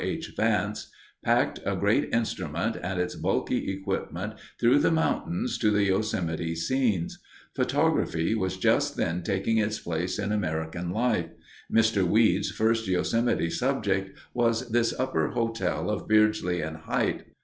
H. Vance, packed a great instrument and its bulky equipment through the mountains to the Yosemite scenes. Photography was just then taking its place in American life. Mr. Weed's first Yosemite subject was this Upper Hotel of Beardsley and Hite.